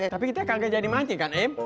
tapi kita kagak jadi mancing kan em